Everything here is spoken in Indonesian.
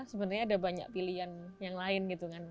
sebenarnya ada banyak pilihan yang lain